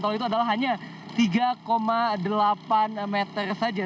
tol itu adalah hanya tiga delapan meter saja